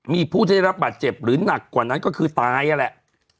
มีผู้ได้รับบาดเจ็บหรือหนักกว่านั้นก็คือตายนั่นแหละ